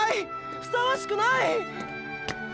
ふさわしくない！！